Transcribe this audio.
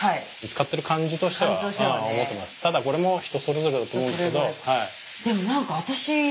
ただこれも人それぞれだと思うんですけどはい。